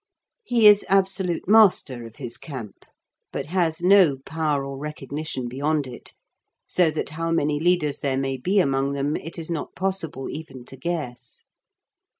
He is absolute master of his "camp", but has no power or recognition beyond it, so that how many leaders there may be among them it is not possible even to guess.